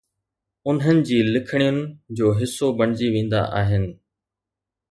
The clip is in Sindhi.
انهن جي لکڻين جو حصو بڻجي ويندا آهن